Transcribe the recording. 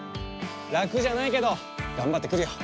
ラクじゃないけどがんばってくるよ。